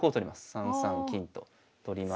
３三金と取りまして。